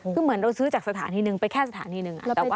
คือเหมือนเราซื้อจากสถานีหนึ่งไปแค่สถานีหนึ่ง